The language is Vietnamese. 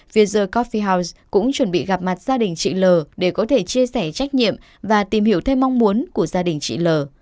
vz capfiel house cũng chuẩn bị gặp mặt gia đình chị l để có thể chia sẻ trách nhiệm và tìm hiểu thêm mong muốn của gia đình chị l